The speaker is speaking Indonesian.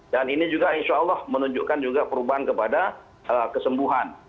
dan ini juga insya allah menunjukkan juga perubahan kepada kesembuhan